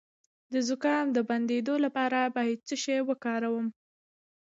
د زکام د بندیدو لپاره باید څه شی وکاروم؟